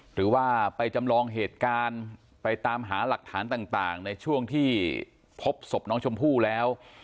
หรือว่าไปจำลองเหตุการณ์ไปตามหาหลักฐานต่างในช่วงที่พบศพน้องชมพู่แล้ว